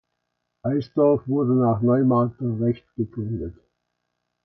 Eisdorf wurde nach Neumarkter Recht gegründet.